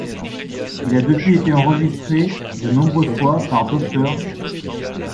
Il a depuis été enregistré de nombreuses fois par Dr.